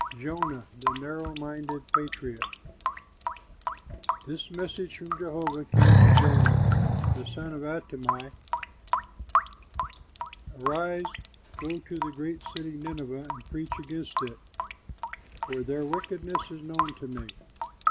JONAH THE NARROW MINDED PATRIOT This message from Jehovah came to Jonah, the son of Amittai: "Arise, go to that great city, Nineveh, and preach against it; for their wickedness is known to me."